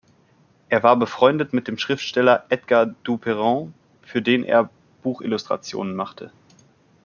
Er war befreundet mit dem Schriftsteller Edgar du Perron, für den er Buchillustrationen machte.